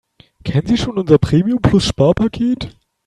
Kennen Sie schon unser Premium-Plus-Sparpaket?